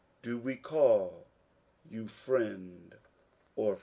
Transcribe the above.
Do we call you friend or foe